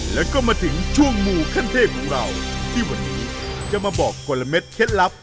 แล้วก็มาถึงช่วงหมู่ขั้นเทพของเราที่วันนี้จะมาบอกคนละเม็ดเคล็ดลับ